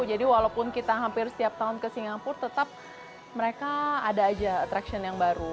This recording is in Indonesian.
jadi walaupun kita hampir setiap tahun ke singapura tetap mereka ada aja attraction yang baru